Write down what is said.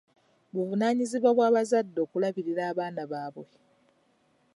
Buvunaanyizibwa bw'abazadde okulabirira abaana baabwe.